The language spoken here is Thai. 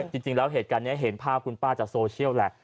จริงแล้วเหตุการณ์นี้เห็นภาพคุณป้าจากโซเชียลแหละ